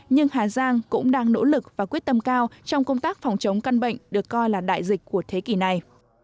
nhưng hà giang cũng đang nỗ lực và quyết tâm cao trong công tác phòng chống căn bệnh được coi là đại dịch của thế kỷ này